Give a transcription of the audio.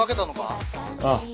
ああ。